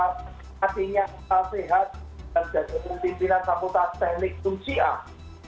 tetap sehat dan jadikan pimpinan kapal teknik tunjian